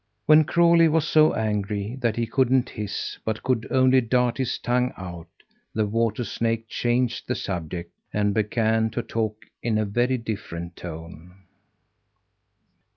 When Crawlie was so angry that he couldn't hiss, but could only dart his tongue out, the water snake changed the subject, and began to talk in a very different tone.